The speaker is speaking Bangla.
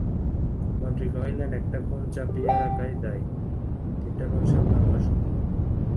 মন্ত্রী কহিলেন, একটা খুন চাপিয়া রাখাই দায়, তিনটা খুন সামলানো অসম্ভব।